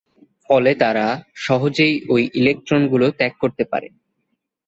ফলে, তারা সহজেই ওই ইলেকট্রন গুলো ত্যাগ করতে পারে।